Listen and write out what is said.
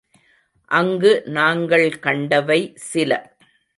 அங்கு நாங்கள் கண்டவை சில.